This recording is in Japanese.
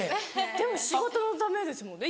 でも仕事のためですもんね